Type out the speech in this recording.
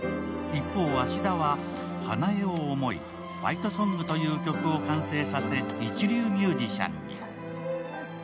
一方、芦田は、花枝を思い「ファイトソング」という曲を完成させ一流ミュージシャンに。